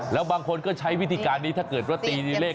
แล้วบางคนก็ใช้วิธีการนี้ถ้าเกิดว่าตีในเลข